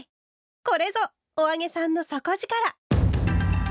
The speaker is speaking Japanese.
これぞ「“お揚げさん”の底力！」。